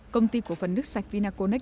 công ty cổ phần nước sạch vinaconex